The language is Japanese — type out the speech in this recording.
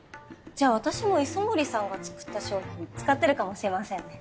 じゃあ私も磯森さんが作った商品使ってるかもしれませんね。